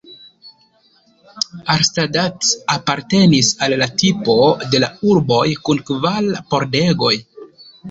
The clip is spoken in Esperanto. Arnstadt apartenis al la tipo de la urboj kun kvar pordegoj.